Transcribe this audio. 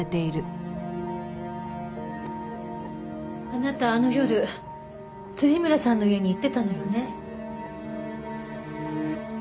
あなたあの夜村さんの家に行ってたのよね？